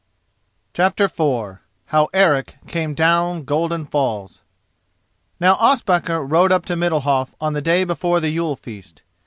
CHAPTER IV HOW ERIC CAME DOWN GOLDEN FALLS Now Ospakar rode up to Middalhof on the day before the Yule feast.